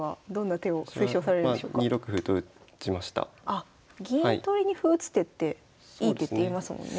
あっ銀取りに歩打つ手っていい手っていいますもんね。